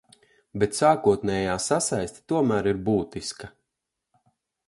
Bet sākotnējā sasaiste tomēr ir būtiska.